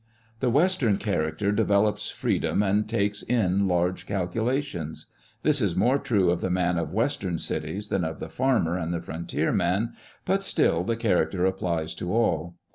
The Western character developes freedom and takes in large calculations. This is more true of the man of Western cities, than of the farmer and the frontier man, but still the character applies to all.